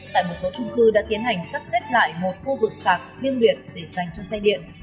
tại một số trung cư đã tiến hành sắp xếp lại một khu vực sạc riêng biệt để dành cho xe điện